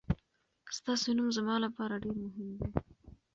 ستاسو نوم زما لپاره ډېر مهم دی.